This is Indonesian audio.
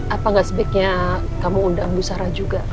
apa gak sebaiknya kamu undang bu sarah juga